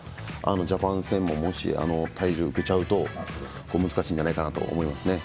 ジャパン戦も、もし体重受けちゃうと難しいんじゃないかなと思います。